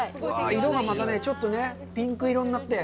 色がまたちょっとピンク色になって。